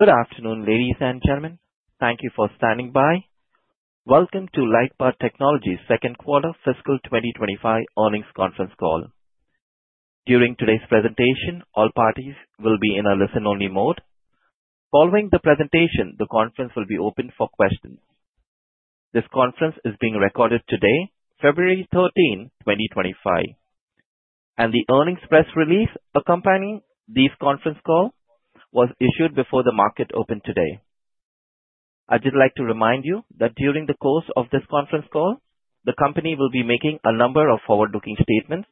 Good afternoon, ladies and gentlemen. Thank you for standing by. Welcome to LightPath Technologies' Second Quarter Fiscal 2025 Earnings Conference Call. During today's presentation, all parties will be in a listen-only mode. Following the presentation, the conference will be open for questions. This conference is being recorded today, February 13, 2025, and the earnings press release accompanying this conference call was issued before the market opened today. I'd just like to remind you that during the course of this conference call, the company will be making a number of forward-looking statements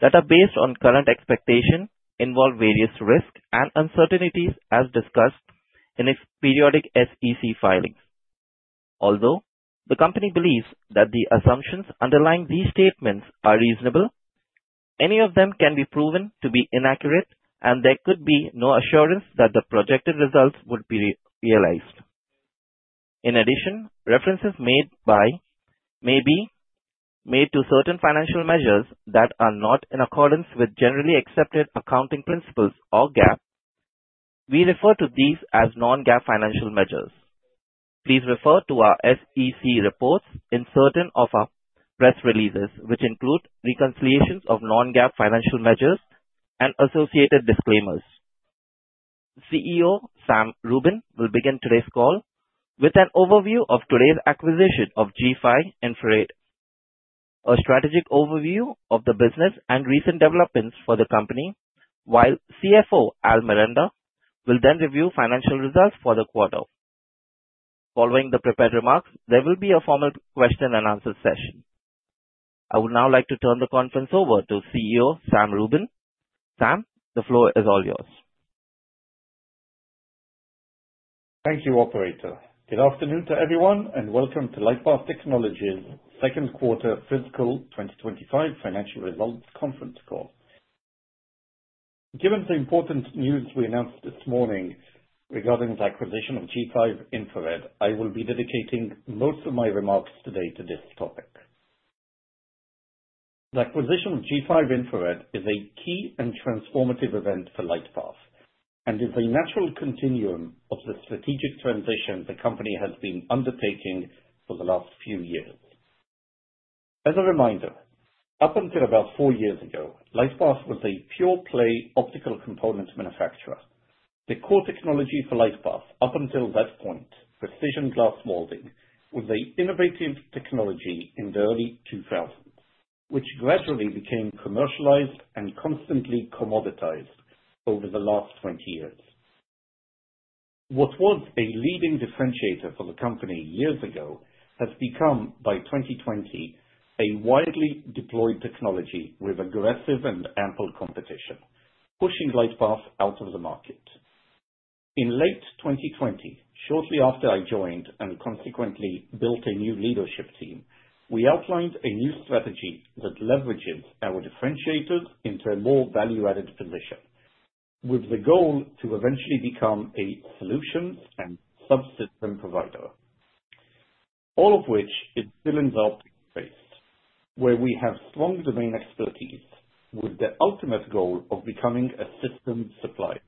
that are based on current expectations, involve various risks, and uncertainties, as discussed in its periodic SEC filings. Although the company believes that the assumptions underlying these statements are reasonable, any of them can be proven to be inaccurate, and there could be no assurance that the projected results would be realized. In addition, references may be made to certain financial measures that are not in accordance with generally accepted accounting principles or GAAP. We refer to these as non-GAAP financial measures. Please refer to our SEC reports and certain of our press releases, which include reconciliations of non-GAAP financial measures and associated disclaimers. CEO Sam Rubin will begin today's call with an overview of today's acquisition of G5 Infrared, a strategic overview of the business and recent developments for the company, while CFO Al Miranda will then review financial results for the quarter. Following the prepared remarks, there will be a formal question-and-answer session. I would now like to turn the conference over to CEO Sam Rubin. Sam, the floor is all yours. Thank you, Operator. Good afternoon to everyone, and welcome to LightPath Technologies' Second Quarter Fiscal 2025 Financial Results Conference Call. Given the important news we announced this morning regarding the acquisition of G5 Infrared, I will be dedicating most of my remarks today to this topic. The acquisition of G5 Infrared is a key and transformative event for LightPath and is a natural continuum of the strategic transition the company has been undertaking for the last few years. As a reminder, up until about four years ago, LightPath was a pure-play optical component manufacturer. The core technology for LightPath up until that point, precision glass molding, was an innovative technology in the early 2000s, which gradually became commercialized and constantly commoditized over the last 20 years. What was a leading differentiator for the company years ago has become, by 2020, a widely deployed technology with aggressive and ample competition, pushing LightPath out of the market. In late 2020, shortly after I joined and consequently built a new leadership team, we outlined a new strategy that leverages our differentiators into a more value-added position, with the goal to eventually become a solutions and subsystem provider, all of which is still in the optics space, where we have strong domain expertise with the ultimate goal of becoming a systems supplier.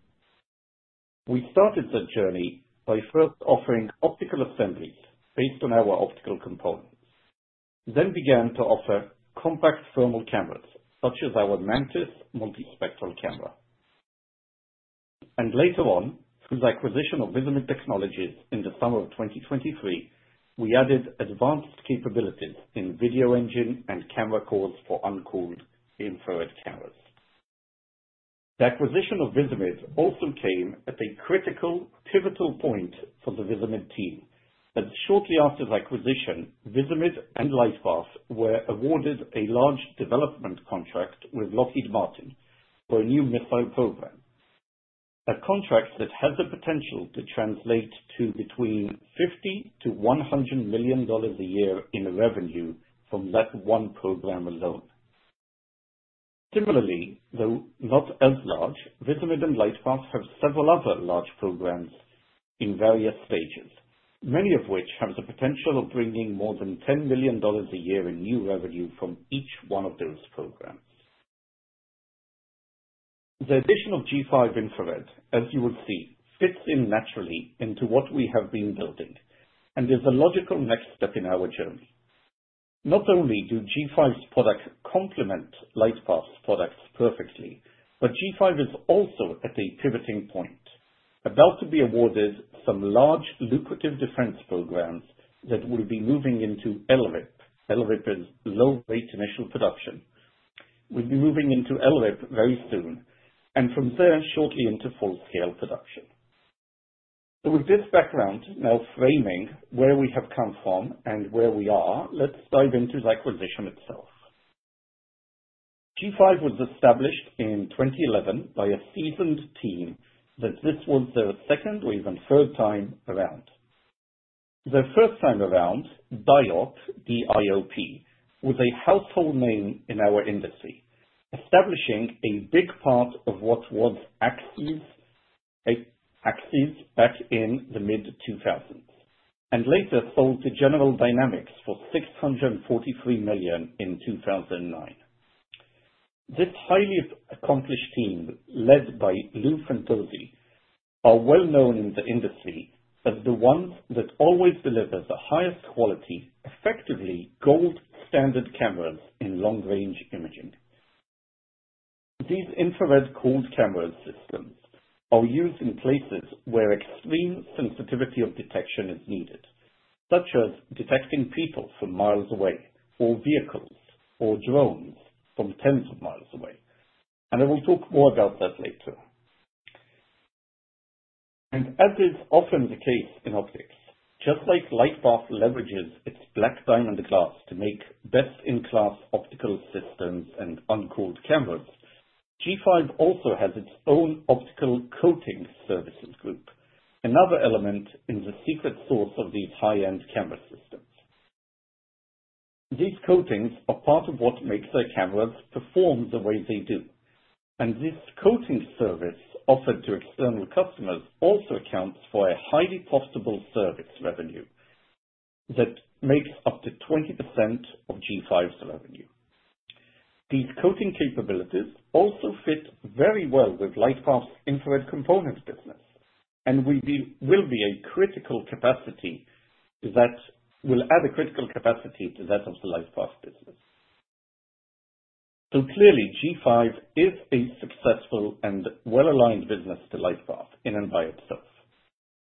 We started the journey by first offering optical assemblies based on our optical components, then began to offer compact thermal cameras such as our MANTIS Multispectral Camera. Later on, through the acquisition of Visament Technologies in the summer of 2023, we added advanced capabilities in video engine and camera cores for uncooled infrared cameras. The acquisition of Visament also came at a critical pivotal point for the Visament team, as shortly after the acquisition, Visament and LightPath were awarded a large development contract with Lockheed Martin for a new missile program, a contract that has the potential to translate to between $50 million-$100 million a year in revenue from that one program alone. Similarly, though not as large, Visament and LightPath have several other large programs in various stages, many of which have the potential of bringing more than $10 million a year in new revenue from each one of those programs. The addition of G5 Infrared, as you will see, fits in naturally into what we have been building, and is a logical next step in our journey. Not only do G5 Infrared's products complement LightPath's products perfectly, but G5 Infrared is also at a pivoting point, about to be awarded some large lucrative defense programs that will be moving into LRIP. LRIP is Low-Rate Initial Production. We'll be moving into LRIP very soon, and from there, shortly into full-scale production. With this background, now framing where we have come from and where we are, let's dive into the acquisition itself. G5 Infrared was established in 2011 by a seasoned team that this was their second or even third time around. Their first time around, DIOP, D-I-O-P, was a household name in our industry, establishing a big part of what was AXIS back in the mid-2000s, and later sold to General Dynamics for $643 million in 2009. This highly accomplished team, led by Louis Fantozzi, are well known in the industry as the ones that always deliver the highest quality, effectively gold-standard cameras in long-range imaging. These infrared cooled camera systems are used in places where extreme sensitivity of detection is needed, such as detecting people from miles away, or vehicles, or drones from tens of miles away. I will talk more about that later. As is often the case in optics, just like LightPath leverages its Black Diamond glass to make best-in-class optical systems and uncooled cameras, G5 Infrared also has its own optical coating services group, another element in the secret sauce of these high-end camera systems. These coatings are part of what makes their cameras perform the way they do. This coating service offered to external customers also accounts for a highly profitable service revenue that makes up to 20% of G5 Infrared's revenue. These coating capabilities also fit very well with LightPath's infrared component business, and will be a critical capacity that will add a critical capacity to that of the LightPath business. Clearly, G5 Infrared is a successful and well-aligned business to LightPath in and by itself.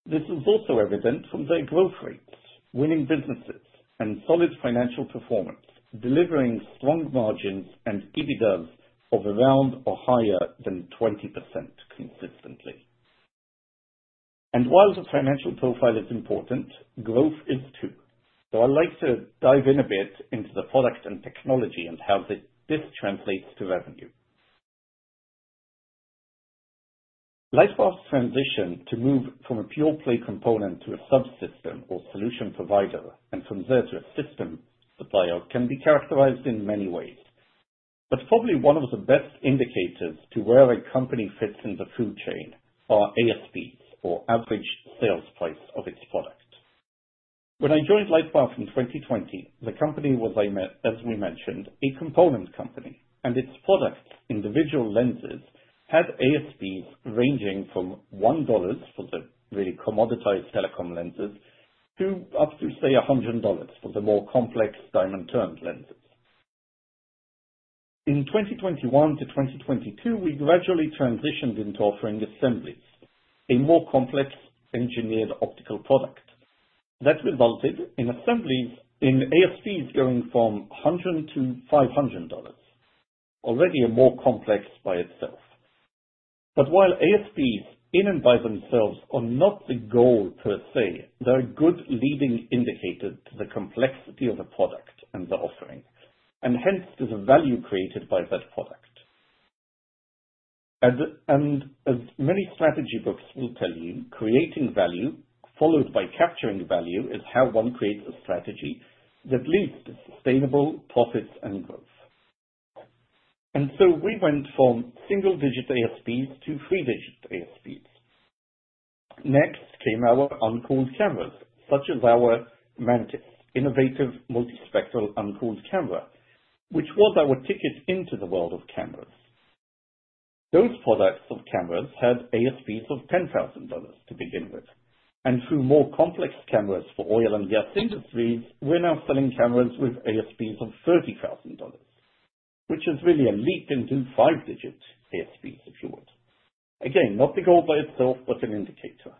This is also evident from their growth rates, winning businesses, and solid financial performance, delivering strong margins and EBITDAs of around or higher than 20% consistently. While the financial profile is important, growth is too. I'd like to dive in a bit into the product and technology and how this translates to revenue. LightPath's transition to move from a pure-play component to a subsystem or solution provider, and from there to a system supplier, can be characterized in many ways. Probably one of the best indicators to where a company fits in the food chain are ASPs, or average sales price of its product. When I joined LightPath in 2020, the company was, as we mentioned, a component company, and its products, individual lenses, had ASPs ranging from $1 for the really commoditized telecom lenses to up to, say, $100 for the more complex diamond-turned lenses. In 2021 to 2022, we gradually transitioned into offering assemblies, a more complex engineered optical product. That resulted in assemblies, in ASPs going from $100-$500, already a more complex by itself. While ASPs in and by themselves are not the goal per se, they're a good leading indicator to the complexity of the product and the offering, and hence to the value created by that product. As many strategy books will tell you, creating value, followed by capturing value, is how one creates a strategy that leads to sustainable profits and growth. We went from single-digit ASPs to three-digit ASPs. Next came our uncooled cameras, such as our MANTIS, innovative multispectral uncooled camera, which was our ticket into the world of cameras. Those products of cameras had ASPs of $10,000 to begin with. Through more complex cameras for oil and gas industries, we're now selling cameras with ASPs of $30,000, which is really a leap into five-digit ASPs, if you would. Again, not the goal by itself, but an indicator.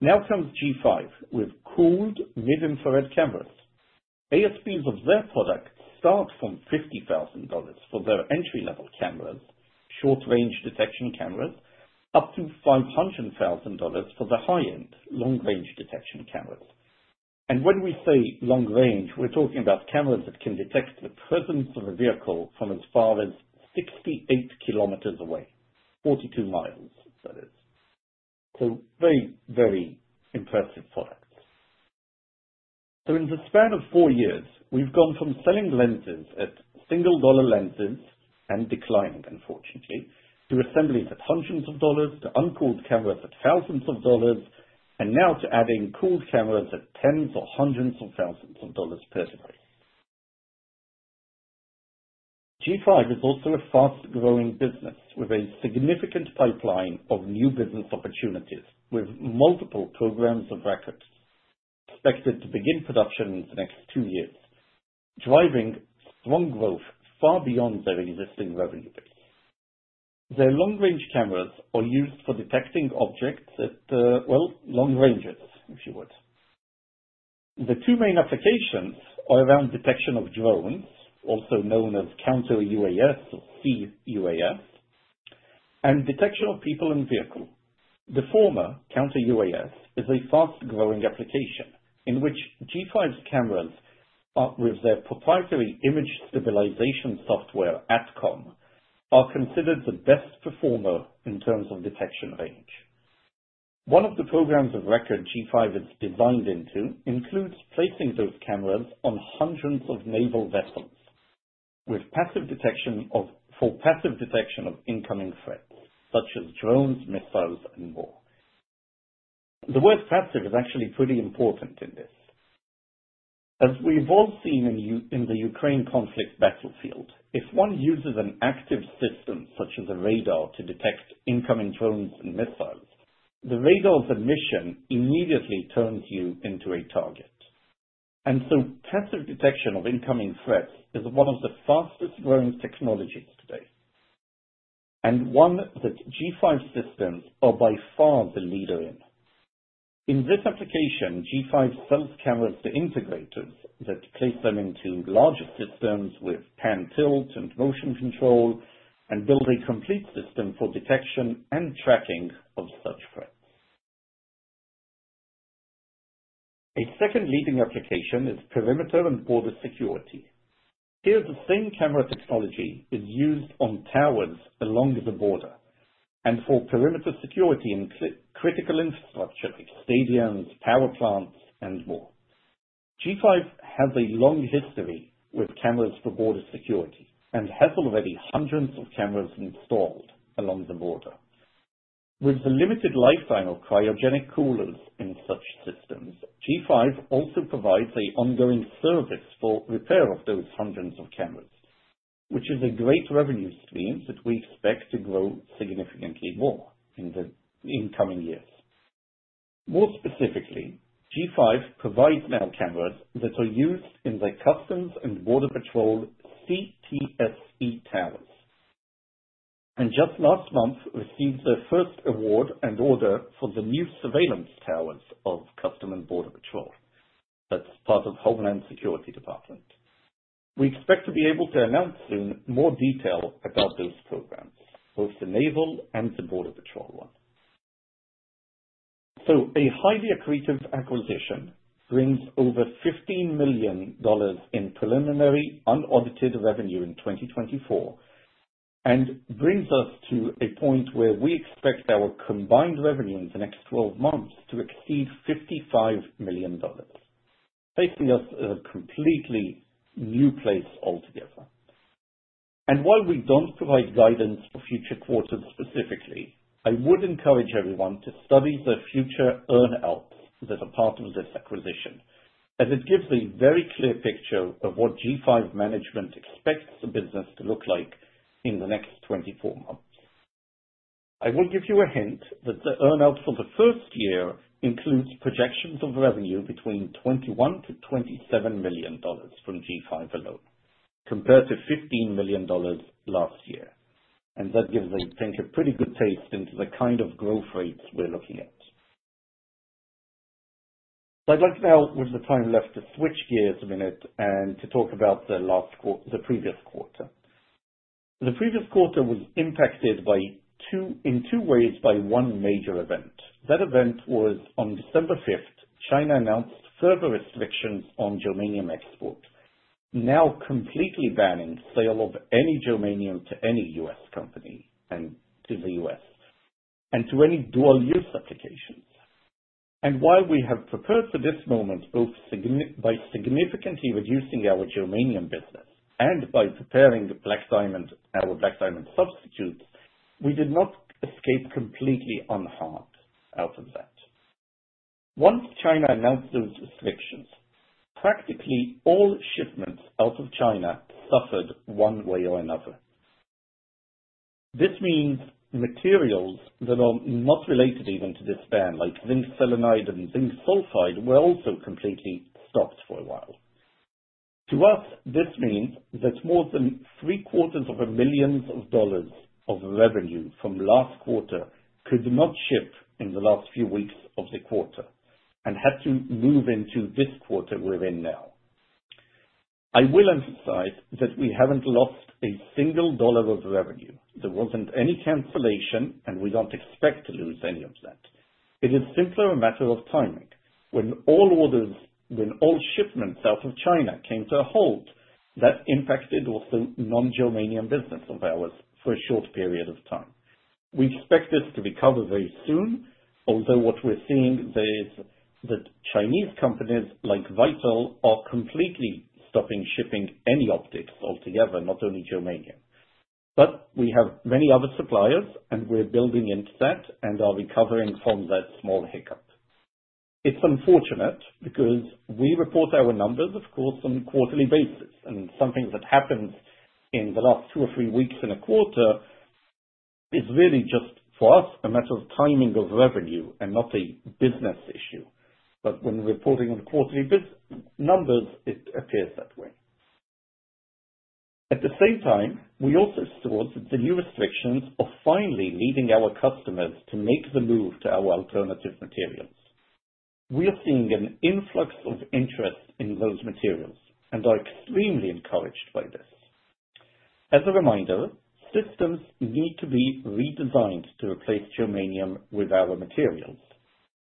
Now comes G5 Infrared with cooled mid-infrared cameras. ASPs of their product start from $50,000 for their entry-level cameras, short-range detection cameras, up to $500,000 for the high-end long-range detection cameras. When we say long-range, we're talking about cameras that can detect the presence of a vehicle from as far as 68 km away, 42 mi, that is. Very, very impressive products. In the span of four years, we've gone from selling lenses at single-dollar lenses and declining, unfortunately, to assemblies at hundreds of dollars, to uncooled cameras at thousands of dollars, and now to adding cooled cameras at tens or hundreds of thousands of dollars per device. G5 Infrared is also a fast-growing business with a significant pipeline of new business opportunities, with multiple programs of records expected to begin production in the next two years, driving strong growth far beyond their existing revenue base. Their long-range cameras are used for detecting objects at, well, long-ranges, if you would. The two main applications are around detection of drones, also known as counter-UAS or C-UAS, and detection of people and vehicles. The former, counter-UAS, is a fast-growing application in which G5 Infrared's cameras, with their proprietary image stabilization software, ATCOM, are considered the best performer in terms of detection range. One of the programs of record G5 Infrared is designed into includes placing those cameras on hundreds of naval vessels with passive detection for passive detection of incoming threats, such as drones, missiles, and more. The word passive is actually pretty important in this. As we've all seen in the Ukraine conflict battlefield, if one uses an active system such as a radar to detect incoming drones and missiles, the radar's emission immediately turns you into a target. Passive detection of incoming threats is one of the fastest-growing technologies today, and one that G5 Infrared systems are by far the leader in. In this application, G5 Infrared sells cameras to integrators that place them into larger systems with pan-tilt and motion control and build a complete system for detection and tracking of such threats. A second leading application is perimeter and border security. Here, the same camera technology is used on towers along the border and for perimeter security in critical infrastructure like stadiums, power plants, and more. G5 Infrared has a long history with cameras for border security and has already hundreds of cameras installed along the border. With the limited lifetime of cryogenic coolers in such systems, G5 Infrared also provides an ongoing service for repair of those hundreds of cameras, which is a great revenue stream that we expect to grow significantly more in the incoming years. More specifically, G5 Infrared provides now cameras that are used in the Customs and Border Patrol CTSE towers, and just last month received their first award and order for the new surveillance towers of Customs and Border Patrol. That is part of Homeland Security Department. We expect to be able to announce soon more detail about those programs, both the naval and the border patrol one. A highly accretive acquisition brings over $15 million in preliminary unaudited revenue in 2024 and brings us to a point where we expect our combined revenue in the next 12 months to exceed $55 million, taking us a completely new place altogether. While we don't provide guidance for future quarters specifically, I would encourage everyone to study the future earnouts that are part of this acquisition, as it gives a very clear picture of what G5 Infrared management expects the business to look like in the next 24 months. I will give you a hint that the earnout for the first year includes projections of revenue between $21 million-$27 million from G5 Infrared alone, compared to $15 million last year. That gives, I think, a pretty good taste into the kind of growth rates we're looking at. I'd like now, with the time left, to switch gears a minute and to talk about the previous quarter. The previous quarter was impacted in two ways by one major event. That event was on December 5th, China announced further restrictions on germanium export, now completely banning sale of any germanium to any U.S. company and to the U.S., and to any dual-use applications. While we have prepared for this moment by significantly reducing our germanium business and by preparing our Black Diamond substitutes, we did not escape completely unharmed out of that. Once China announced those restrictions, practically all shipments out of China suffered one way or another. This means materials that are not related even to this ban, like zinc selenide and zinc sulfide, were also completely stopped for a while. To us, this means that more than $750,000 of revenue from last quarter could not ship in the last few weeks of the quarter and had to move into this quarter we are in now. I will emphasize that we haven't lost a single dollar of revenue. There wasn't any cancellation, and we don't expect to lose any of that. It is simply a matter of timing. When all shipments out of China came to a halt, that impacted also non-germanium business of ours for a short period of time. We expect this to recover very soon, although what we're seeing is that Chinese companies like Vital are completely stopping shipping any optics altogether, not only germanium. We have many other suppliers, and we're building into that and are recovering from that small hiccup. It's unfortunate because we report our numbers, of course, on a quarterly basis, and something that happens in the last two or three weeks in a quarter is really just, for us, a matter of timing of revenue and not a business issue. When reporting on quarterly numbers, it appears that way. At the same time, we also saw the new restrictions finally leading our customers to make the move to our alternative materials. We are seeing an influx of interest in those materials, and I'm extremely encouraged by this. As a reminder, systems need to be redesigned to replace germanium with our materials.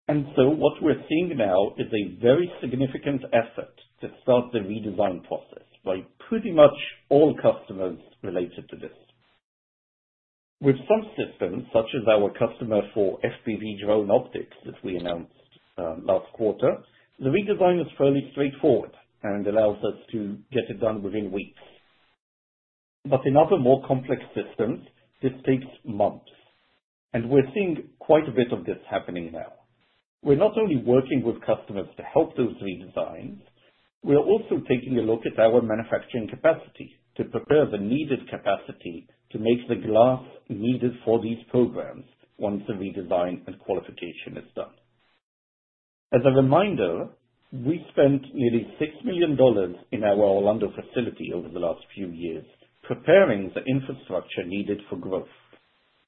What we're seeing now is a very significant effort to start the redesign process by pretty much all customers related to this. With some systems, such as our customer for FPV drone optics that we announced last quarter, the redesign is fairly straightforward and allows us to get it done within weeks. In other more complex systems, this takes months. We're seeing quite a bit of this happening now. We're not only working with customers to help those redesigns, we're also taking a look at our manufacturing capacity to prepare the needed capacity to make the glass needed for these programs once the redesign and qualification is done. As a reminder, we spent nearly $6 million in our Orlando facility over the last few years preparing the infrastructure needed for growth.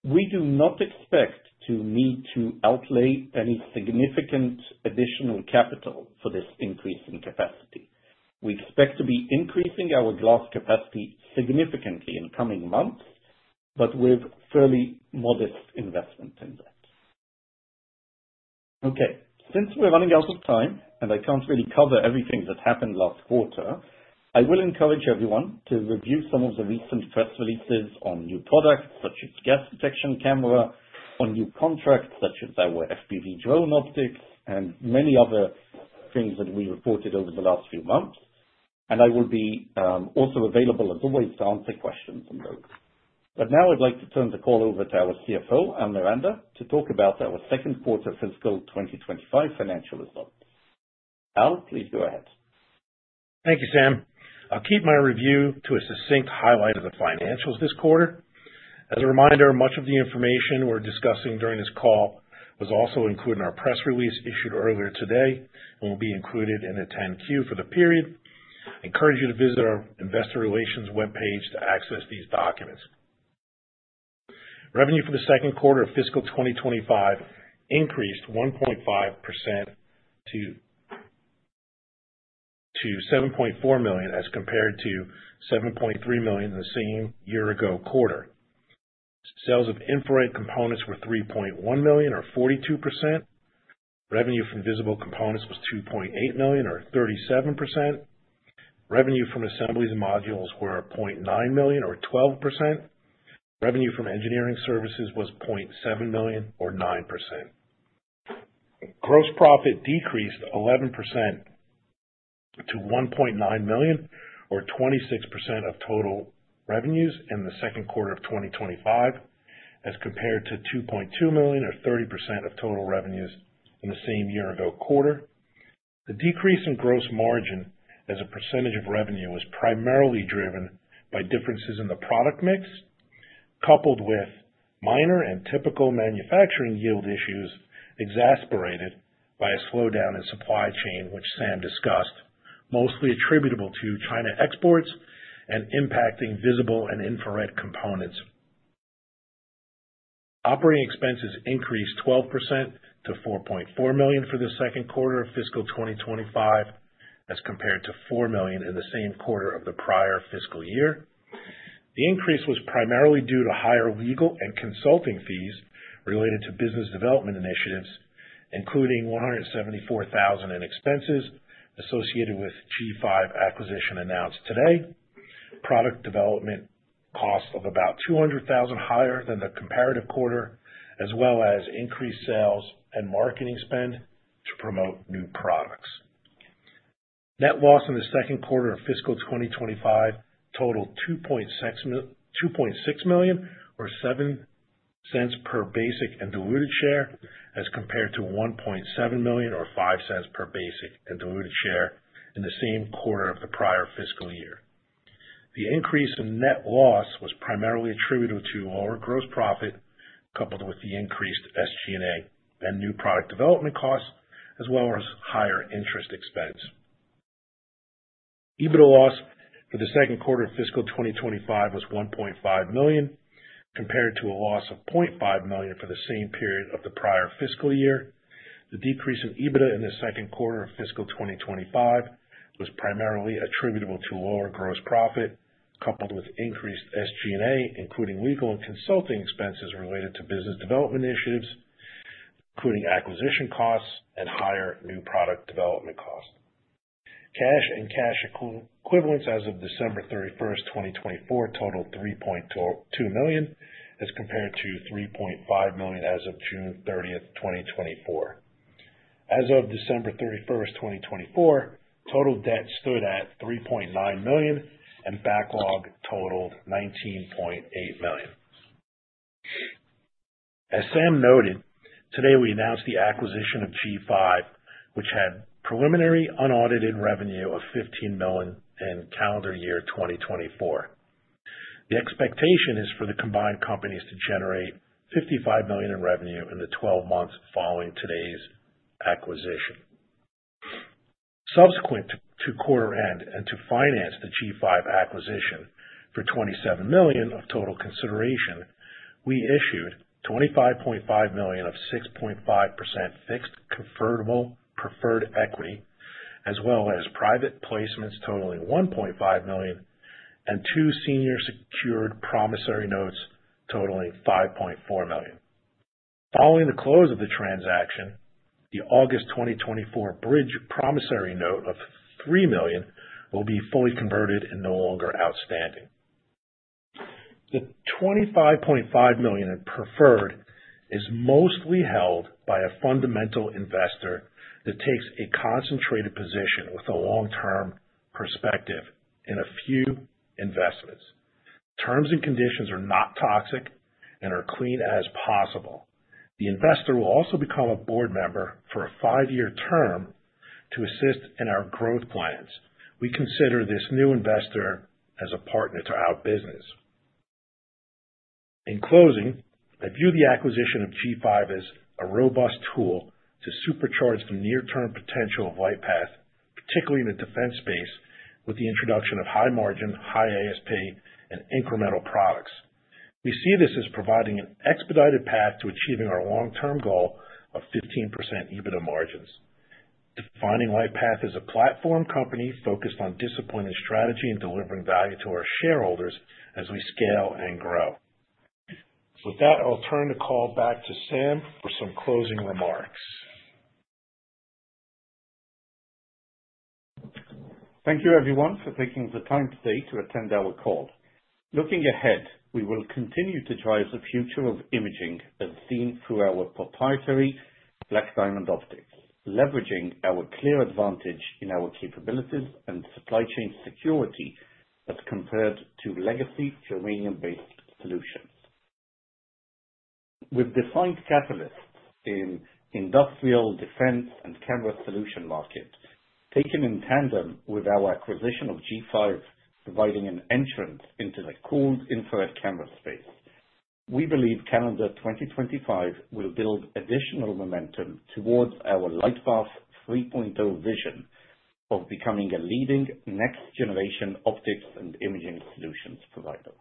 We do not expect to need to outlay any significant additional capital for this increase in capacity. We expect to be increasing our glass capacity significantly in coming months, but with fairly modest investment in that. Okay. Since we're running out of time and I can't really cover everything that happened last quarter, I will encourage everyone to review some of the recent press releases on new products such as gas detection camera, on new contracts such as our FPV drone optics, and many other things that we reported over the last few months. I will be also available, as always, to answer questions on those. Now I'd like to turn the call over to our CFO, Al Miranda, to talk about our second quarter fiscal 2025 financial results. Al, please go ahead. Thank you, Sam. I'll keep my review to a succinct highlight of the financials this quarter. As a reminder, much of the information we're discussing during this call was also included in our press release issued earlier today and will be included in the Form 10-Q for the period. I encourage you to visit our investor relations webpage to access these documents. Revenue for the second quarter of fiscal 2025 increased 1.5% to $7.4 million as compared to $7.3 million the same year-ago quarter. Sales of infrared components were $3.1 million, or 42%. Revenue from visible components was $2.8 million, or 37%. Revenue from assemblies and modules was $0.9 million, or 12%. Revenue from engineering services was $0.7 million, or 9%. Gross profit decreased 11% to $1.9 million, or 26% of total revenues in the second quarter of 2025, as compared to $2.2 million, or 30% of total revenues in the same year-ago quarter. The decrease in gross margin as a percentage of revenue was primarily driven by differences in the product mix, coupled with minor and typical manufacturing yield issues exacerbated by a slowdown in supply chain, which Sam discussed, mostly attributable to China exports and impacting visible and infrared components. Operating expenses increased 12% to $4.4 million for the second quarter of fiscal 2025, as compared to $4 million in the same quarter of the prior fiscal year. The increase was primarily due to higher legal and consulting fees related to business development initiatives, including $174,000 in expenses associated with G5 Infrared acquisition announced today, product development costs of about $200,000 higher than the comparative quarter, as well as increased sales and marketing spend to promote new products. Net loss in the second quarter of fiscal 2025 totaled $2.6 million, or $0.07 per basic and diluted share, as compared to $1.7 million, or $0.05 per basic and diluted share in the same quarter of the prior fiscal year. The increase in net loss was primarily attributed to lower gross profit, coupled with the increased SG&A and new product development costs, as well as higher interest expense. EBITDA loss for the second quarter of fiscal 2025 was $1.5 million, compared to a loss of $0.5 million for the same period of the prior fiscal year. The decrease in EBITDA in the second quarter of fiscal 2025 was primarily attributable to lower gross profit, coupled with increased SG&A, including legal and consulting expenses related to business development initiatives, including acquisition costs and higher new product development costs. Cash and cash equivalents as of December 31st, 2024, totaled $3.2 million, as compared to $3.5 million as of June 30th, 2024. As of December 31st, 2024, total debt stood at $3.9 million, and backlog totaled $19.8 million. As Sam noted, today we announced the acquisition of G5 Infrared, which had preliminary unaudited revenue of $15 million in calendar year 2024. The expectation is for the combined companies to generate $55 million in revenue in the 12 months following today's acquisition. Subsequent to quarter end and to finance the G5 Infrared acquisition for $27 million of total consideration, we issued $25.5 million of 6.5% fixed convertible preferred equity, as well as private placements totaling $1.5 million, and two senior secured promissory notes totaling $5.4 million. Following the close of the transaction, the August 2024 bridge promissory note of $3 million will be fully converted and no longer outstanding. The $25.5 million in preferred is mostly held by a fundamental investor that takes a concentrated position with a long-term perspective in a few investments. Terms and conditions are not toxic and are clean as possible. The investor will also become a board member for a five-year term to assist in our growth plans. We consider this new investor as a partner to our business. In closing, I view the acquisition of G5 Infrared as a robust tool to supercharge the near-term potential of LightPath, particularly in the defense space, with the introduction of high-margin, high-ASP, and incremental products. We see this as providing an expedited path to achieving our long-term goal of 15% EBITDA margins. Defining LightPath as a platform company focused on disciplining strategy and delivering value to our shareholders as we scale and grow. With that, I'll turn the call back to Sam for some closing remarks. Thank you, everyone, for taking the time today to attend our call. Looking ahead, we will continue to drive the future of imaging as seen through our proprietary Black Diamond optics, leveraging our clear advantage in our capabilities and supply chain security as compared to legacy germanium-based solutions. With defined catalysts in industrial defense and camera solution markets taken in tandem with our acquisition of G5 Infrared providing an entrance into the cooled infrared camera space, we believe calendar 2025 will build additional momentum towards our LightPath 3.0 vision of becoming a leading next-generation optics and imaging solutions provider.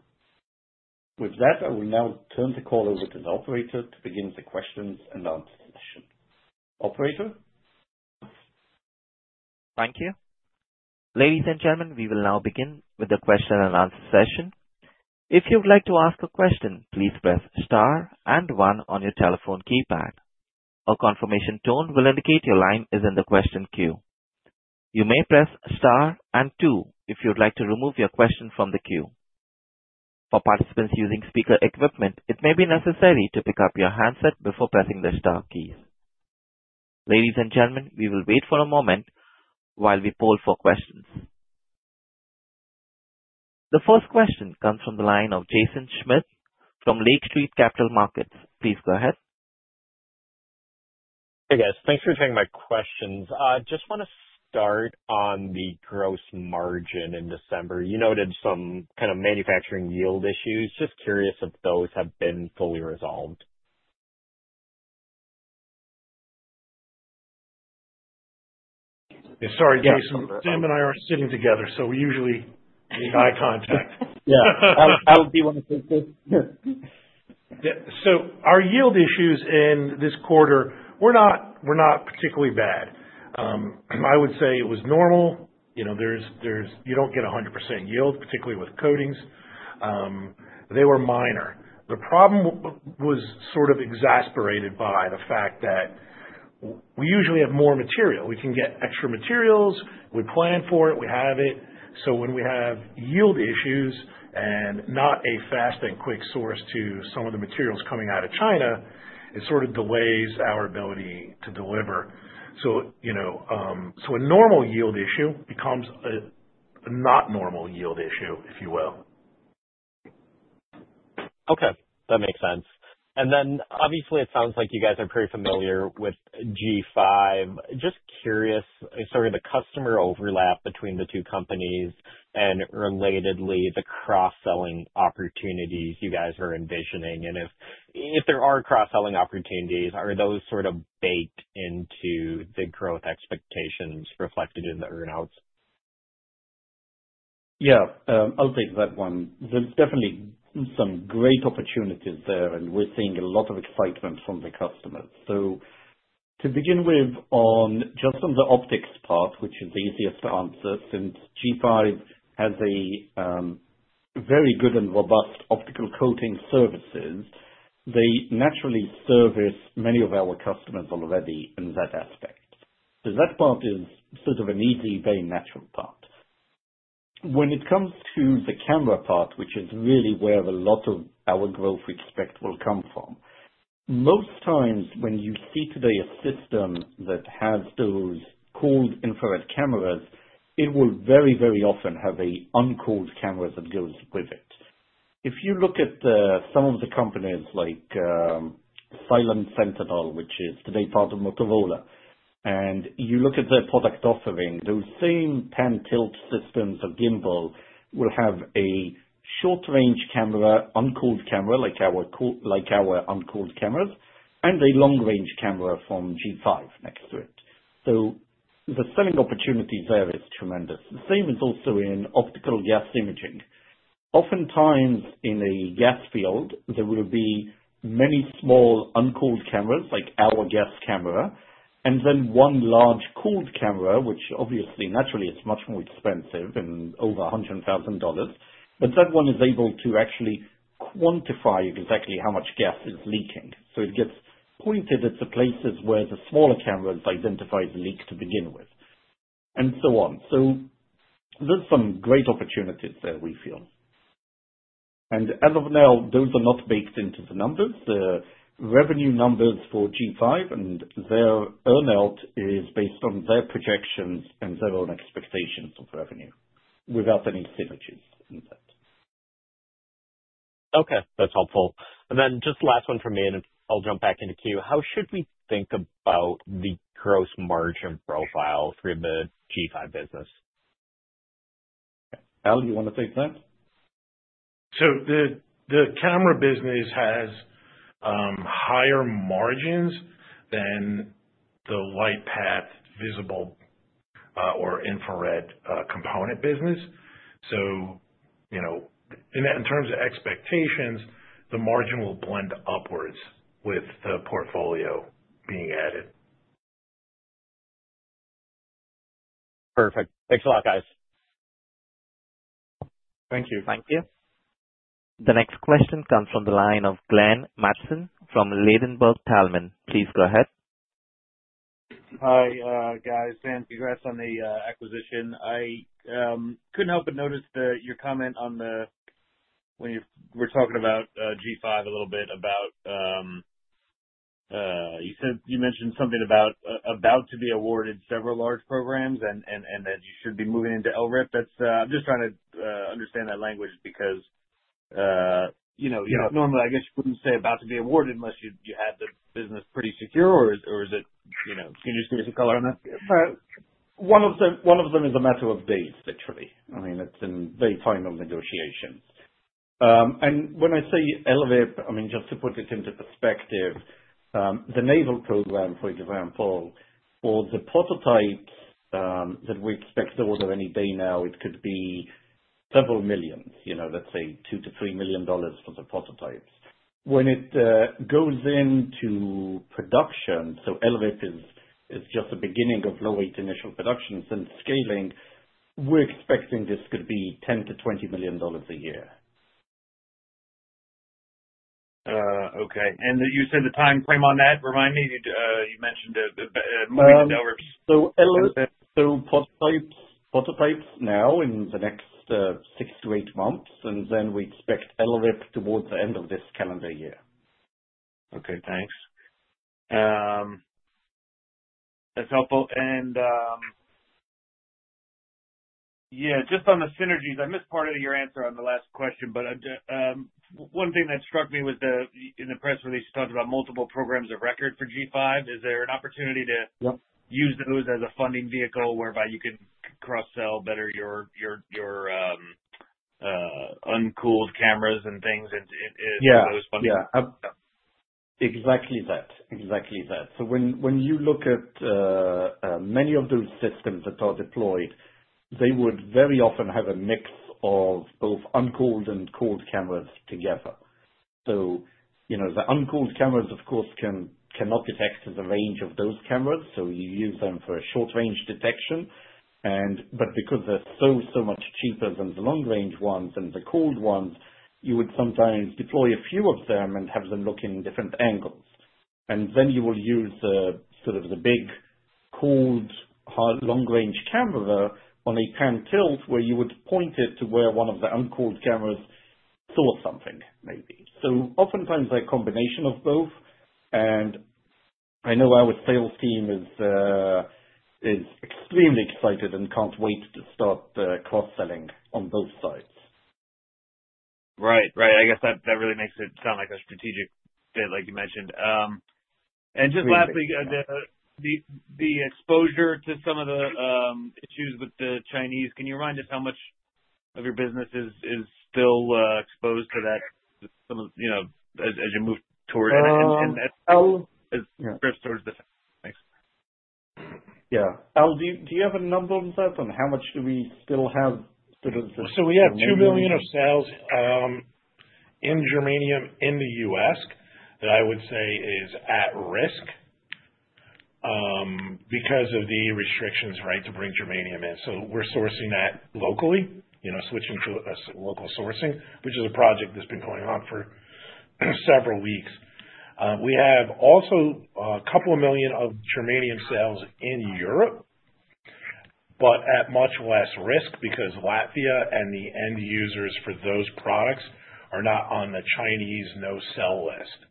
With that, I will now turn the call over to the operator to begin the question and answer session. Operator? Thank you. Ladies and gentlemen, we will now begin with the question and answer session. If you would like to ask a question, please press star and one on your telephone keypad. A confirmation tone will indicate your line is in the question queue. You may press star and two if you would like to remove your question from the queue. For participants using speaker equipment, it may be necessary to pick up your handset before pressing the star keys. Ladies and gentlemen, we will wait for a moment while we poll for questions. The first question comes from the line of Jaeson Schmidt from Lake Street Capital Markets. Please go ahead. Hey, guys. Thanks for taking my questions. Just want to start on the gross margin in December. You noted some kind of manufacturing yield issues. Just curious if those have been fully resolved? Sorry, Jaeson. Sam and I are sitting together, so we usually need eye contact. Yeah. Al, do you want to take this? Our yield issues in this quarter were not particularly bad. I would say it was normal. You do not get 100% yield, particularly with coatings. They were minor. The problem was sort of exacerbated by the fact that we usually have more material. We can get extra materials. We plan for it. We have it. When we have yield issues and not a fast and quick source to some of the materials coming out of China, it sort of delays our ability to deliver. A normal yield issue becomes a not-normal yield issue, if you will. Okay. That makes sense. Obviously, it sounds like you guys are very familiar with G5 Infrared. Just curious, sort of the customer overlap between the two companies and, relatedly, the cross-selling opportunities you guys are envisioning. If there are cross-selling opportunities, are those sort of baked into the growth expectations reflected in the earnouts? Yeah. I'll take that one. There's definitely some great opportunities there, and we're seeing a lot of excitement from the customers. To begin with, just on the optics part, which is the easiest to answer, since G5 Infrared has very good and robust optical coating services, they naturally service many of our customers already in that aspect. That part is sort of an easy, very natural part. When it comes to the camera part, which is really where a lot of our growth we expect will come from, most times when you see today a system that has those cooled infrared cameras, it will very, very often have an uncooled camera that goes with it. If you look at some of the companies like Silent Sentinel, which is today part of Motorola, and you look at their product offering, those same pan-tilt systems or gimbal will have a short-range camera, uncooled camera like our uncooled cameras, and a long-range camera from G5 Infrared next to it. The selling opportunity there is tremendous. The same is also in optical gas imaging. Oftentimes, in a gas field, there will be many small uncooled cameras like our gas camera, and then one large cooled camera, which obviously, naturally, is much more expensive and over $100,000. That one is able to actually quantify exactly how much gas is leaking. It gets pointed at the places where the smaller cameras identify the leak to begin with, and so on. There are some great opportunities there, we feel. As of now, those are not baked into the numbers. The revenue numbers for G5 Infrared and their earnout is based on their projections and their own expectations of revenue without any synergies in that. Okay. That's helpful. And then just the last one for me, and then I'll jump back into queue. How should we think about the gross margin profile for the G5 Infrared business? Al, do you want to take that? The camera business has higher margins than the LightPath visible or infrared component business. In terms of expectations, the margin will blend upwards with the portfolio being added. Perfect. Thanks a lot, guys. Thank you. Thank you. The next question comes from the line of Glenn Mattson from Ladenburg Thalman. Please go ahead. Hi, guys. Sam, congrats on the acquisition. I couldn't help but notice your comment when you were talking about G5 Infrared a little bit about you mentioned something about about to be awarded several large programs and that you should be moving into LRIP. I'm just trying to understand that language because normally, I guess you wouldn't say about to be awarded unless you had the business pretty secure, or can you just give us a color on that? One of them is a matter of date, literally. I mean, it's in very final negotiations. And when I say LRIP, I mean, just to put it into perspective, the naval program, for example, for the prototypes that we expect to order any day now, it could be several millions, let's say, $2 million-$3 million for the prototypes. When it goes into production, LRIP is just the beginning of low-rate initial production and scaling. We're expecting this could be $10 million-$20 million a year. Okay. You said the time frame on that. Remind me. You mentioned moving to LRIP. So prototypes now in the next six to eight months, and then we expect LRIP towards the end of this calendar year. Okay. Thanks. That's helpful. Just on the synergies, I missed part of your answer on the last question, but one thing that struck me was in the press release, you talked about multiple programs of record for G5 Infrared. Is there an opportunity to use those as a funding vehicle whereby you can cross-sell better your uncooled cameras and things? Is those funding? Yeah. Exactly that. Exactly that. When you look at many of those systems that are deployed, they would very often have a mix of both uncooled and cooled cameras together. The uncooled cameras, of course, cannot detect the range of those cameras, so you use them for short-range detection. Because they're so, so much cheaper than the long-range ones and the cooled ones, you would sometimes deploy a few of them and have them look in different angles. You will use sort of the big cooled long-range camera on a pan tilt where you would point it to where one of the uncooled cameras saw something, maybe. Oftentimes, a combination of both. I know our sales team is extremely excited and can't wait to start cross-selling on both sides. Right. Right. I guess that really makes it sound like a strategic bit, like you mentioned. Just lastly, the exposure to some of the issues with the Chinese, can you remind us how much of your business is still exposed to that as you move towards and drifts towards the? Thanks. Yeah. Al, do you have a number on that? How much do we still have sort of? We have $2 million of sales in germanium in the U.S. that I would say is at risk because of the restrictions, right, to bring germanium in. We are sourcing that locally, switching to local sourcing, which is a project that's been going on for several weeks. We have also a couple of million of germanium sales in Europe, but at much less risk because Latvia and the end users for those products are not on the Chinese no-sell list.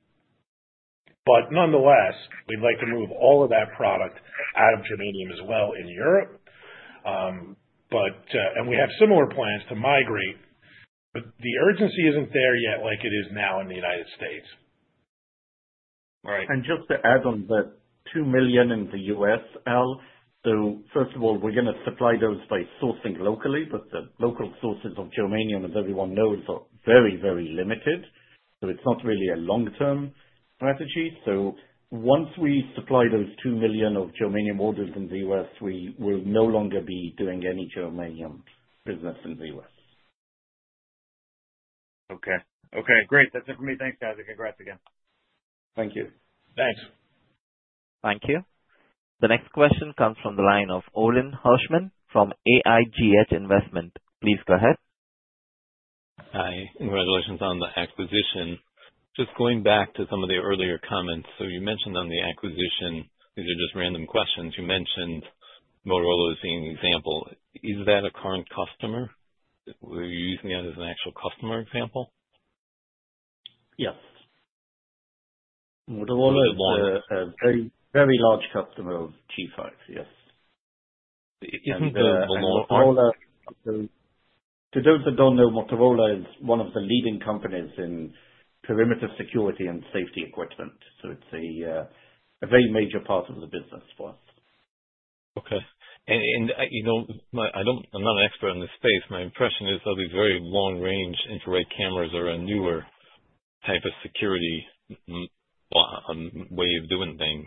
Nonetheless, we'd like to move all of that product out of germanium as well in Europe. We have similar plans to migrate, but the urgency isn't there yet like it is now in the United States. Right. Just to add on that $2 million in the U.S,, Al, so first of all, we're going to supply those by sourcing locally, but the local sources of germanium, as everyone knows, are very, very limited. It's not really a long-term strategy. Once we supply those $2 million of germanium orders in the U.S., we will no longer be doing any germanium business in the U.S. Okay. Okay. Great. That's it for me. Thanks, guys. Congrats again. Thank you. Thanks. Thank you. The next question comes from the line of Orin Hirschman from AIGH Investment. Please go ahead. Hi. Congratulations on the acquisition. Just going back to some of the earlier comments, you mentioned on the acquisition, these are just random questions, you mentioned Motorola as being an example. Is that a current customer? Are you using that as an actual customer example? Yes. Motorola is a very large customer of G5 Infrared, yes. Isn't the Motorola? For those that don't know, Motorola is one of the leading companies in perimeter security and safety equipment. It is a very major part of the business for us. Okay. I'm not an expert in this space. My impression is they'll be very long-range infrared cameras or a newer type of security way of doing things.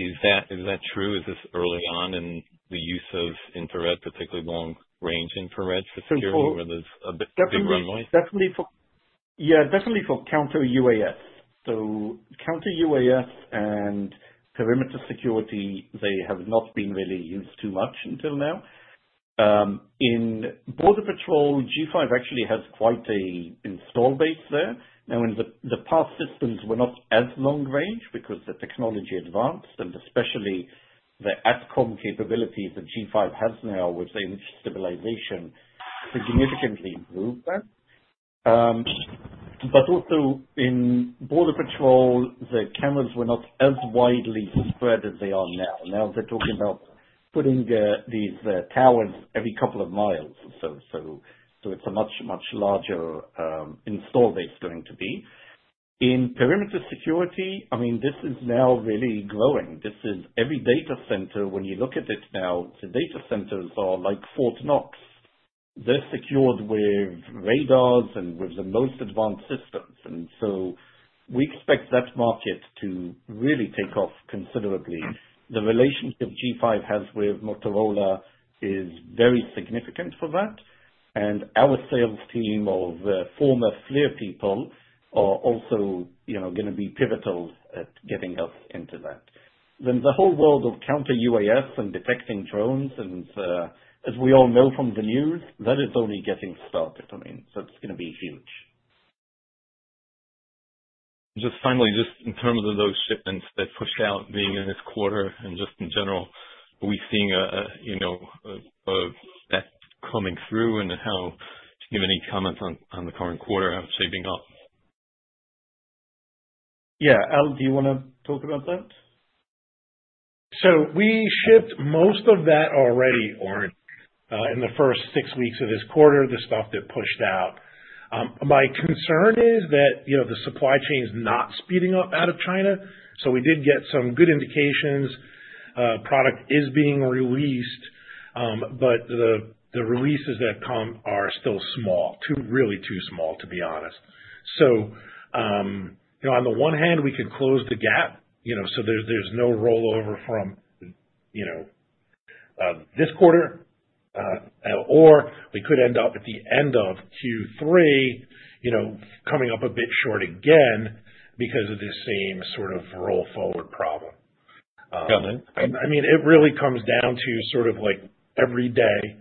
Is that true? Is this early on in the use of infrared, particularly long-range infrared for security where there's a big runway? Yeah. Definitely for counter-UAS. Counter-UAS and perimeter security, they have not been really used too much until now. In border patrol, G5 Infrared actually has quite an install base there. In the past, systems were not as long-range because the technology advanced, and especially the ATCOM capabilities that G5 Infrared has now with image stabilization significantly improved that. Also, in border patrol, the cameras were not as widely spread as they are now. Now, they're talking about putting these towers every couple of miles. It is a much, much larger install base going to be. In perimeter security, I mean, this is now really growing. Every data center, when you look at it now, the data centers are like Fort Knox. They're secured with radars and with the most advanced systems. We expect that market to really take off considerably. The relationship G5 Infrared has with Motorola is very significant for that. And our sales team of former FLIR people are also going to be pivotal at getting us into that. Then the whole world of counter-UAS and detecting drones, and as we all know from the news, that is only getting started. I mean, so it's going to be huge. Just finally, just in terms of those shipments that pushed out being in this quarter and just in general, are we seeing that coming through and how do you have any comments on the current quarter shaping up? Yeah. Al, do you want to talk about that? So we shipped most of that already Orin in the first six weeks of this quarter, the stuff that pushed out. My concern is that the supply chain is not speeding up out of China. So we did get some good indications. Product is being released, but the releases that come are still small, really too small, to be honest. On the one hand, we can close the gap so there's no rollover from this quarter, or we could end up at the end of Q3 coming up a bit short again because of this same sort of roll-forward problem. I mean, it really comes down to sort of every day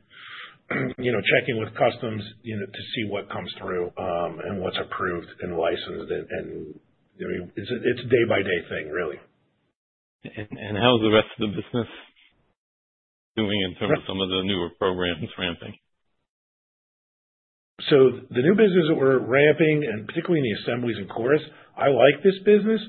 checking with customs to see what comes through and what's approved and licensed. It's a day-by-day thing, really. How's the rest of the business doing in terms of some of the newer programs ramping? The new business that we're ramping, and particularly in the assemblies and cores, I like this business.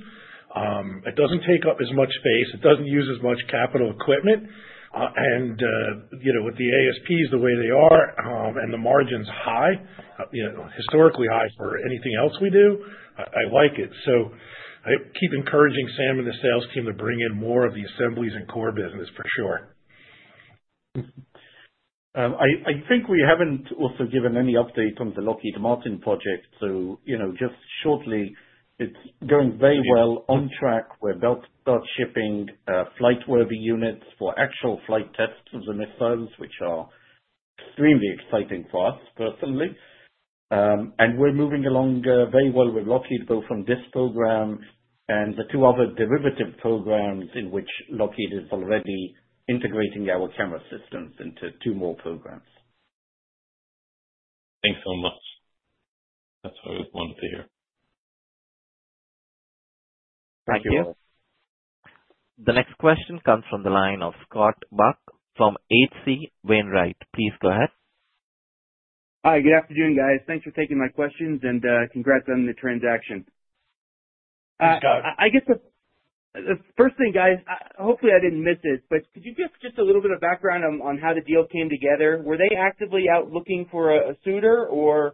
It doesn't take up as much space. It doesn't use as much capital equipment. With the ASPs the way they are and the margins high, historically high for anything else we do, I like it. I keep encouraging Sam and the sales team to bring in more of the assemblies and core business, for sure. I think we have not also given any update on the Lockheed Martin project. Just shortly, it is going very well on track. We are shipping flight-worthy units for actual flight tests of the missiles, which are extremely exciting for us, personally. We are moving along very well with Lockheed both from this program and the two other derivative programs in which Lockheed is already integrating our camera systems into two more programs. Thanks so much. That is what I wanted to hear. Thank you. The next question comes from the line of Scott Buck from HC Wainwright. Please go ahead. Hi. Good afternoon, guys. Thanks for taking my questions and congrats on the transaction. I guess the first thing, guys, hopefully I didn't miss it, but could you give just a little bit of background on how the deal came together? Were they actively out looking for a suitor, or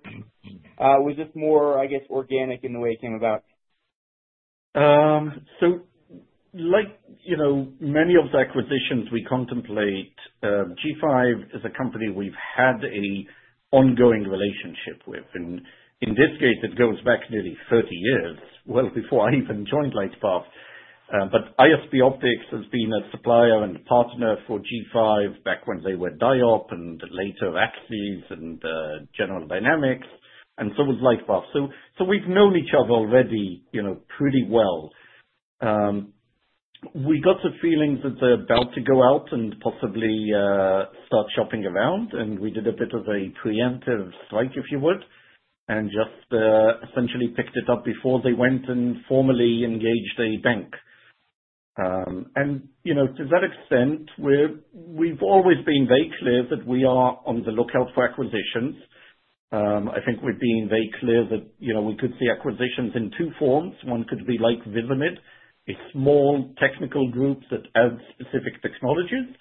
was this more, I guess, organic in the way it came about? Like many of the acquisitions we contemplate, G5 Infrared is a company we've had an ongoing relationship with. In this case, it goes back nearly 30 years, well before I even joined LightPath. ISP Optics has been a supplier and partner for G5 Infrared back when they were DIOP and later AXIS and General Dynamics, and so was LightPath. We've known each other already pretty well. We got the feeling that they're about to go out and possibly start shopping around, and we did a bit of a preemptive strike, if you would, and just essentially picked it up before they went and formally engaged a bank. To that extent, we've always been very clear that we are on the lookout for acquisitions. I think we've been very clear that we could see acquisitions in two forms. One could be like Visament, a small technical group that adds specific technologies,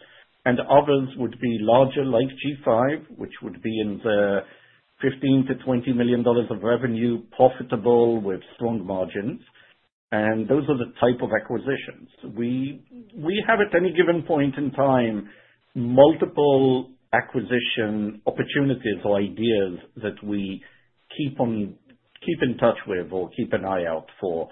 and others would be larger like G5 Infrared, which would be in the $15 million-$20 million of revenue, profitable with strong margins. Those are the type of acquisitions. We have, at any given point in time, multiple acquisition opportunities or ideas that we keep in touch with or keep an eye out for.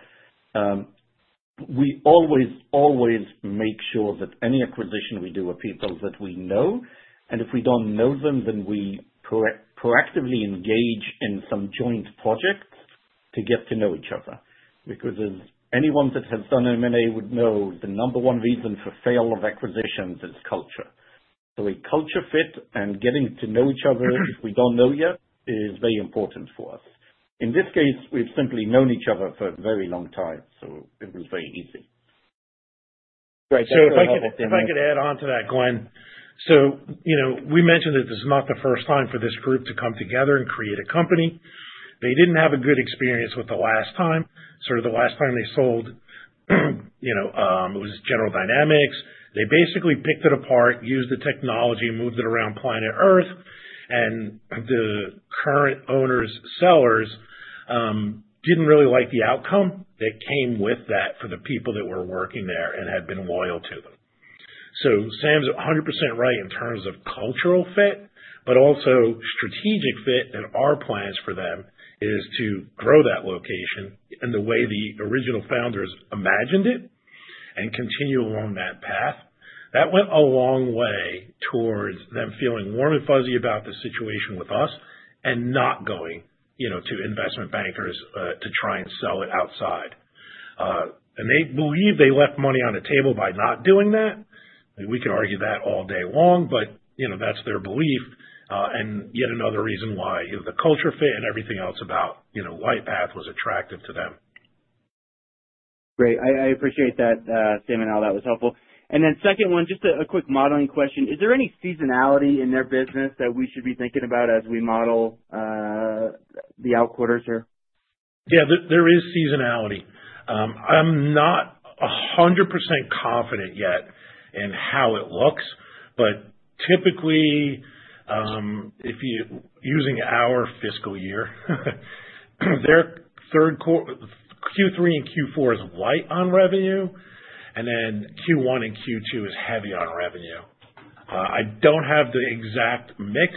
We always, always make sure that any acquisition we do are people that we know. If we do not know them, then we proactively engage in some joint projects to get to know each other. Because anyone that has done M&A would know the number one reason for failure of acquisitions is culture. A culture fit and getting to know each other if we do not know yet is very important for us. In this case, we have simply known each other for a very long time, so it was very easy. Right. If I could add on to that, Glenn, we mentioned that this is not the first time for this group to come together and create a company. They did not have a good experience with the last time. The last time they sold, it was General Dynamics. They basically picked it apart, used the technology, moved it around planet Earth, and the current owners' sellers did not really like the outcome that came with that for the people that were working there and had been loyal to them. Sam is 100% right in terms of cultural fit, but also strategic fit and our plans for them is to grow that location in the way the original founders imagined it and continue along that path. That went a long way towards them feeling warm and fuzzy about the situation with us and not going to investment bankers to try and sell it outside. They believe they left money on the table by not doing that. We could argue that all day long, but that is their belief. Yet another reason why the culture fit and everything else about LightPath was attractive to them. Great. I appreciate that, Sam and Al. That was helpful. The second one, just a quick modeling question. Is there any seasonality in their business that we should be thinking about as we model the out quarters here? Yeah. There is seasonality. I'm not 100% confident yet in how it looks, but typically, using our fiscal year, their Q3 and Q4 is light on revenue, and then Q1 and Q2 is heavy on revenue. I do not have the exact mix.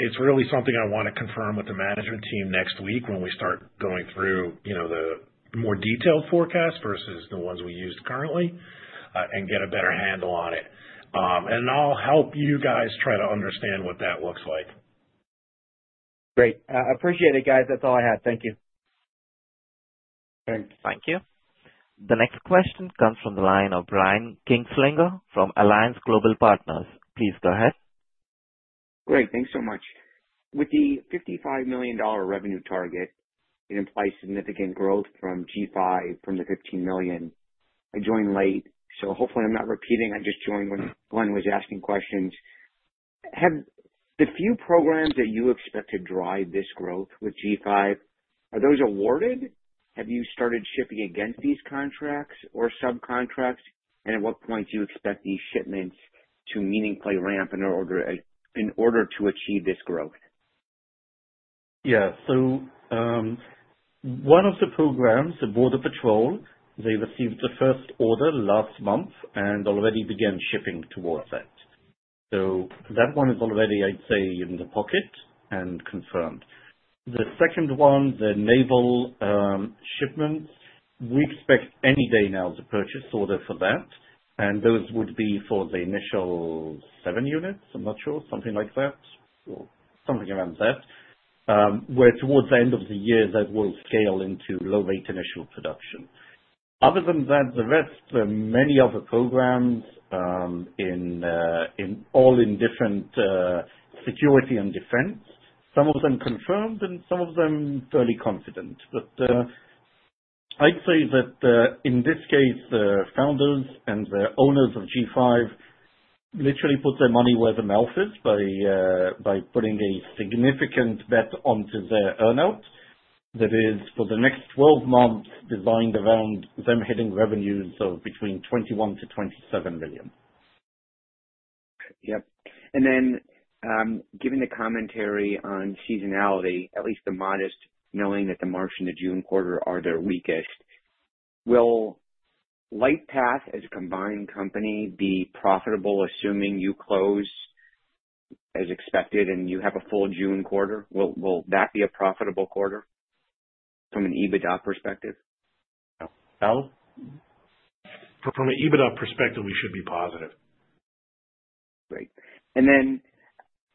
It is really something I want to confirm with the management team next week when we start going through the more detailed forecast versus the ones we use currently and get a better handle on it. I will help you guys try to understand what that looks like. Great. I appreciate it, guys. That is all I had. Thank you. Thanks. Thank you. The next question comes from the line of Brian Kinstlinger from Alliance Global Partners. Please go ahead. Great. Thanks so much. With the $55 million revenue target, it implies significant growth from G5 Infrared from the $15 million. I joined late, so hopefully I'm not repeating. I just joined when Glenn was asking questions. The few programs that you expect to drive this growth with G5 Infrared, are those awarded? Have you started shipping against these contracts or subcontracts? At what point do you expect these shipments to meaningfully ramp in order to achieve this growth? Yeah. One of the programs, the border patrol, they received the first order last month and already began shipping towards that. That one is already, I'd say, in the pocket and confirmed. The second one, the naval shipments, we expect any day now to purchase order for that. Those would be for the initial seven units. I'm not sure. Something like that or something around that. Where towards the end of the year, that will scale into low-rate initial production. Other than that, the rest, there are many other programs all in different security and defense. Some of them confirmed and some of them fairly confident. I'd say that in this case, the founders and the owners of G5 Infrared literally put their money where the mouth is by putting a significant bet onto their earnout that is for the next 12 months designed around them hitting revenues of between $21 million-$27 million. Yep. Given the commentary on seasonality, at least the modest, knowing that the March and the June quarter are their weakest, will LightPath as a combined company be profitable assuming you close as expected and you have a full June quarter? Will that be a profitable quarter from an EBITDA perspective? Al? From an EBITDA perspective, we should be positive. Great.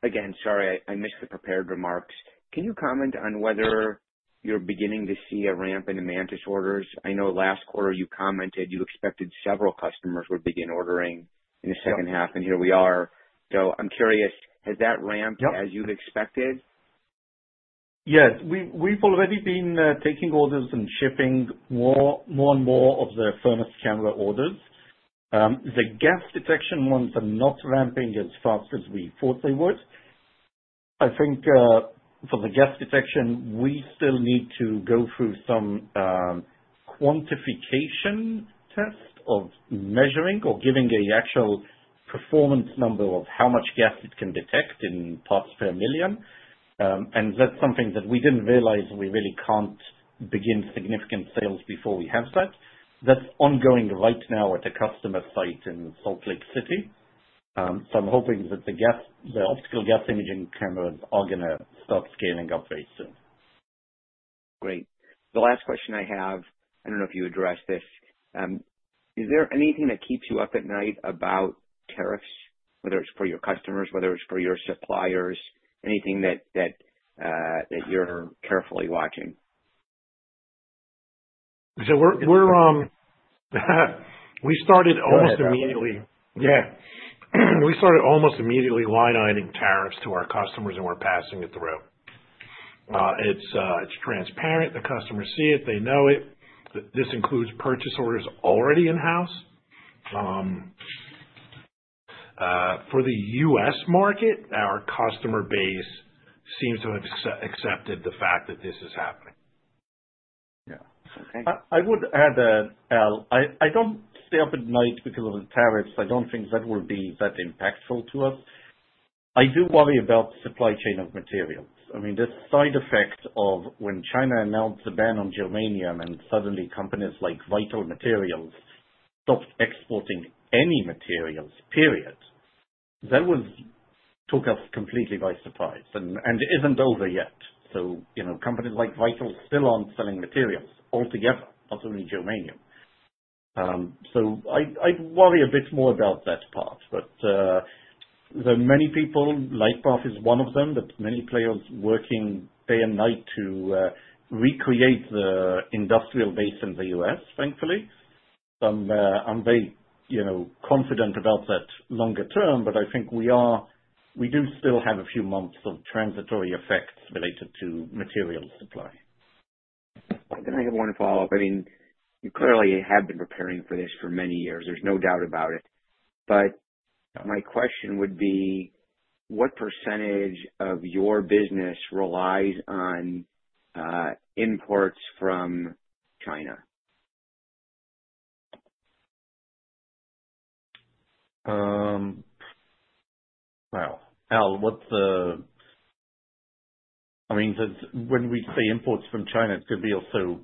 Again, sorry, I missed the prepared remarks. Can you comment on whether you're beginning to see a ramp in the MANTIS orders? I know last quarter you commented you expected several customers would begin ordering in the second half, and here we are. I'm curious, has that ramped as you've expected? Yes. We've already been taking orders and shipping more and more of the furnace camera orders. The gas detection ones are not ramping as fast as we thought they would. I think for the gas detection, we still need to go through some quantification test of measuring or giving an actual performance number of how much gas it can detect in parts per million. That's something that we didn't realize. We really can't begin significant sales before we have that. That's ongoing right now at a customer site in Salt Lake City. I'm hoping that the optical gas imaging cameras are going to start scaling up very soon. Great. The last question I have, I don't know if you addressed this, is there anything that keeps you up at night about tariffs, whether it's for your customers, whether it's for your suppliers, anything that you're carefully watching? We started almost immediately, yeah. We started almost immediately line iteming tariffs to our customers, and we're passing it through. It's transparent. The customers see it. They know it. This includes purchase orders already in-house. For the U.S. market, our customer base seems to have accepted the fact that this is happening. Yeah. I would add that, Al, I don't stay up at night because of the tariffs. I don't think that will be that impactful to us. I do worry about the supply chain of materials. I mean, the side effect of when China announced the ban on germanium and suddenly companies like Vital Materials stopped exporting any materials, period, that took us completely by surprise. It isn't over yet. Companies like Vital still aren't selling materials altogether, not only germanium. I'd worry a bit more about that part. There are many people. LightPath is one of them. There are many players working day and night to recreate the industrial base in the U.S., thankfully. I'm very confident about that longer term, but I think we do still have a few months of transitory effects related to material supply. I think I have one follow-up. I mean, you clearly have been preparing for this for many years. There's no doubt about it. My question would be, what percentage of your business relies on imports from China? Al, what's the, I mean, when we say imports from China, it could be also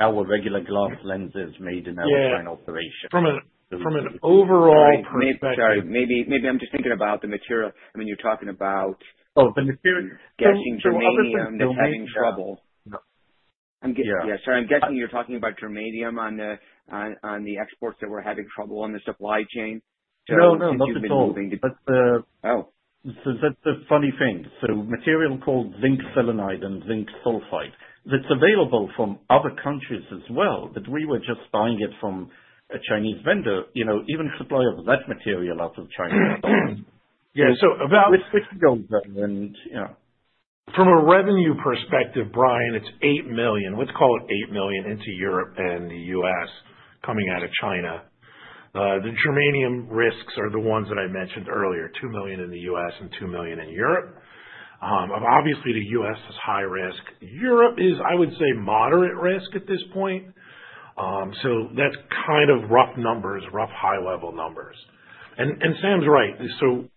our regular glass lenses made in our China operation. Yeah. From an overall perspective. Sorry. Maybe I'm just thinking about the material. I mean, you're talking about, oh, the materials. Getting germanium that's having trouble. Yeah. Sorry. I'm guessing you're talking about germanium on the exports that we're having trouble on the supply chain. Material called, no, no. That's the funny thing. Material called zinc selenide and zinc sulfide, that's available from other countries as well, but we were just buying it from a Chinese vendor, even supply of that material out of China. Yeah. About. Which goes there. From a revenue perspective, Brian, it's $8 million. Let's call it $8 million into Europe and the U.S. coming out of China. The germanium risks are the ones that I mentioned earlier, $2 million in the U.S. and $2 million in Europe. Obviously, the U.S. is high risk. Europe is, I would say, moderate risk at this point. That's kind of rough numbers, rough high-level numbers. Sam's right.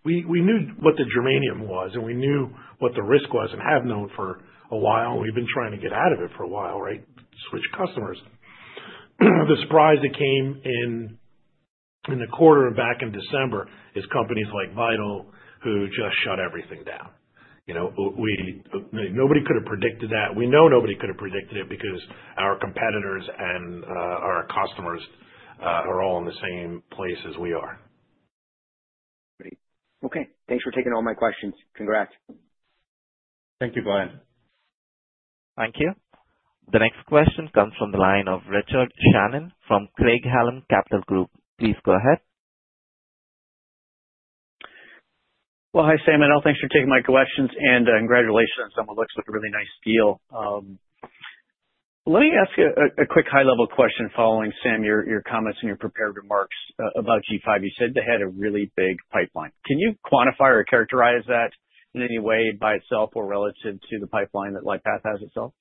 We knew what the germanium was, and we knew what the risk was and have known for a while. We've been trying to get out of it for a while, right? Switch customers. The surprise that came in the quarter back in December is companies like Vital who just shut everything down. Nobody could have predicted that. We know nobody could have predicted it because our competitors and our customers are all in the same place as we are. Great. Okay. Thanks for taking all my questions. Congrats. Thank you, Glenn. Thank you. The next question comes from the line of Richard Shannon from Craig-Hallum Capital Group. Please go ahead. Hi Sam and Al. Thanks for taking my questions and congratulations on what looks like a really nice deal. Let me ask a quick high-level question following Sam, your comments and your prepared remarks about G5 Infrared. You said they had a really big pipeline. Can you quantify or characterize that in any way by itself or relative to the pipeline that LightPath has itself?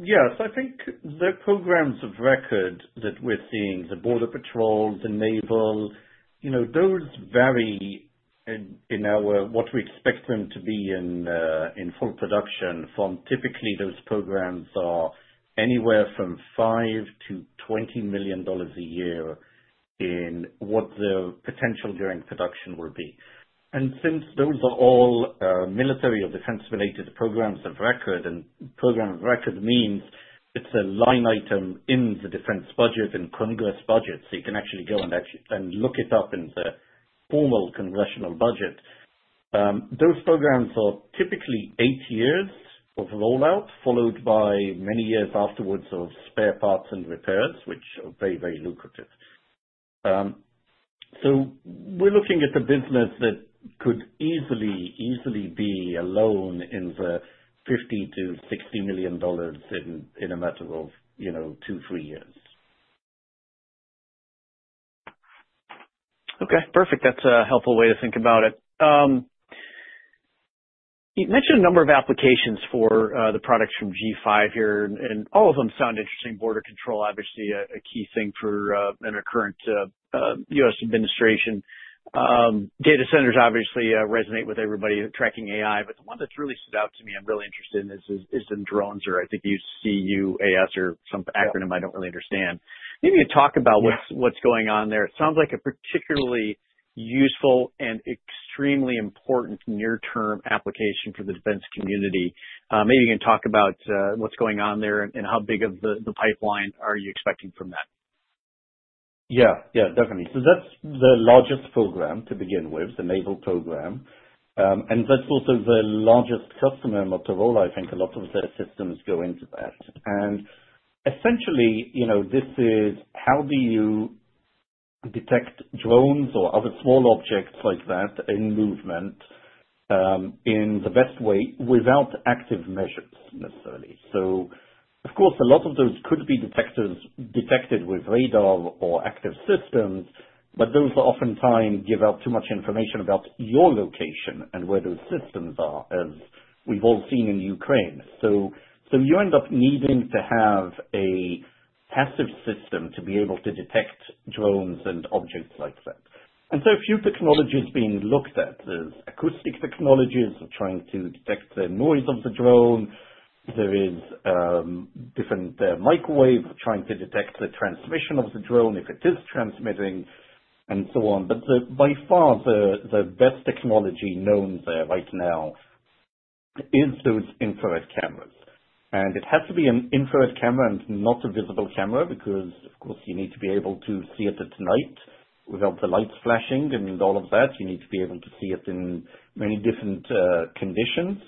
Yes. I think the programs of record that we're seeing, the border patrol, the naval, those vary in what we expect them to be in full production from typically those programs are anywhere from $5 million-$20 million a year in what the potential during production will be. Since those are all military or defense-related programs of record, and program of record means it's a line item in the defense budget and congress budget. You can actually go and look it up in the formal congressional budget. Those programs are typically eight years of rollout followed by many years afterwards of spare parts and repairs, which are very, very lucrative. We're looking at the business that could easily be alone in the $50 million-$60 million in a matter of two, three years. Okay. Perfect. That's a helpful way to think about it. You mentioned a number of applications for the products from G5 Infrared here, and all of them sound interesting. Border control, obviously a key thing for the current U.S. administration. Data centers obviously resonate with everybody tracking AI, but the one that's really stood out to me, I'm really interested in, is in drones or I think you said C-UAS or some acronym I don't really understand. Maybe you can talk about what's going on there. It sounds like a particularly useful and extremely important near-term application for the defense community. Maybe you can talk about what's going on there and how big of the pipeline are you expecting from that? Yeah. Yeah. Definitely. That's the largest program to begin with, the naval program. That's also the largest customer, Motorola. I think a lot of their systems go into that. Essentially, this is how do you detect drones or other small objects like that in movement in the best way without active measures necessarily. Of course, a lot of those could be detected with radar or active systems, but those oftentimes give out too much information about your location and where those systems are, as we've all seen in Ukraine. You end up needing to have a passive system to be able to detect drones and objects like that. A few technologies being looked at is acoustic technologies of trying to detect the noise of the drone. There is different microwave trying to detect the transmission of the drone if it is transmitting and so on. By far, the best technology known there right now is those infrared cameras. It has to be an infrared camera and not a visible camera because, of course, you need to be able to see it at night without the lights flashing and all of that. You need to be able to see it in many different conditions.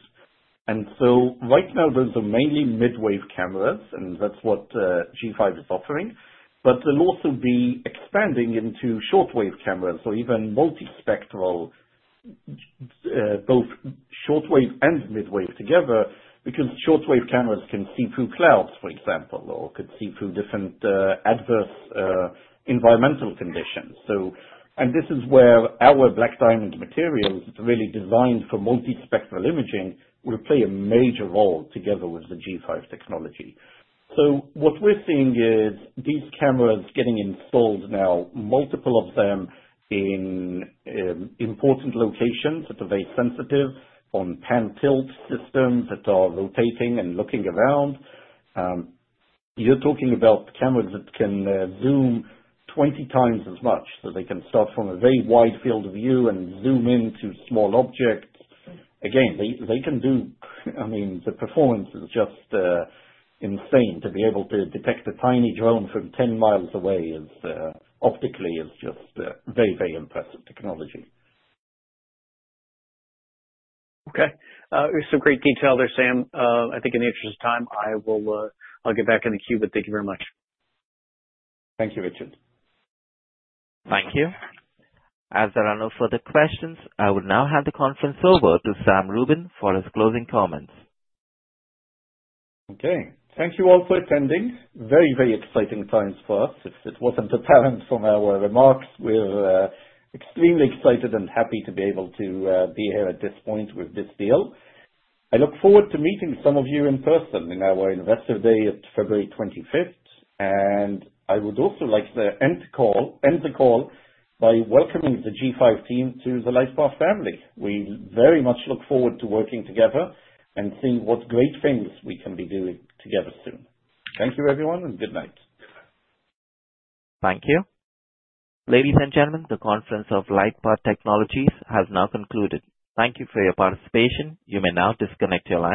Right now, those are mainly mid-wave cameras, and that's what G5 Infrared is offering. They'll also be expanding into short-wave cameras or even multispectral, both short-wave and mid-wave together, because short-wave cameras can see through clouds, for example, or could see through different adverse environmental conditions. This is where our Black Diamond materials, really designed for multispectral imaging, will play a major role together with the G5 Infrared technology. What we're seeing is these cameras getting installed now, multiple of them in important locations that are very sensitive, on pan-tilt systems that are rotating and looking around. You're talking about cameras that can zoom 20 times as much. They can start from a very wide field of view and zoom into small objects. Again, they can do, I mean, the performance is just insane. To be able to detect a tiny drone from 10 mi away optically is just very, very impressive technology. Okay. There's some great detail there, Sam. I think in the interest of time, I'll get back in the queue, but thank you very much. Thank you, Richard. Thank you. As there are no further questions, I will now hand the conference over to Sam Rubin for his closing comments. Okay. Thank you all for attending. Very, very exciting times for us. If it wasn't apparent from our remarks, we're extremely excited and happy to be able to be here at this point with this deal. I look forward to meeting some of you in person in our investor day at February 25th. I would also like to end the call by welcoming the G5 Infrared team to the LightPath family. We very much look forward to working together and seeing what great things we can be doing together soon. Thank you, everyone, and good night. Thank you. Ladies and gentlemen, the conference of LightPath Technologies has now concluded. Thank you for your participation. You may now disconnect your line.